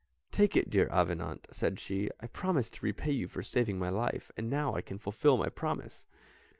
"Take it, dear Avenant," said she, "I promised to repay you for saving my life, and now I can fulfil my promise."